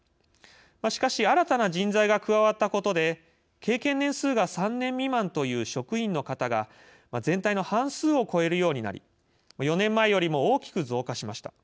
しかし新たな人材が加わったことで経験年数が３年未満という職員の方が全体の半数を超えるようになり４年前よりも大きく増加しました。